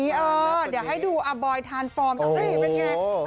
เดี๋ยวให้ดูอ่าบอยทานฟอร์มเป็นไง